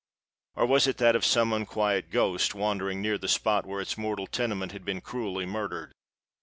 Or was it that of some unquiet ghost, wandering near the spot where its mortal tenement had been cruelly murdered?